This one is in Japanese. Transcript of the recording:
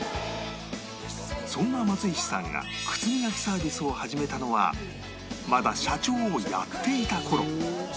そんな松石さんが靴磨きサービスを始めたのはまだ社長をやっていた頃